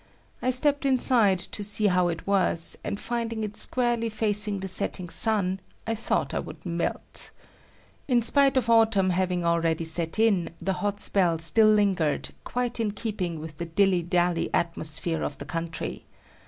I stepped inside to see how it was, and finding it squarely facing the setting sun, I thought I would melt. In spite of autumn having already set in, the hot spell still lingered, quite in keeping with the dilly dally atmosphere of the country.